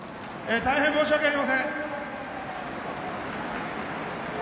大変申し訳ありません。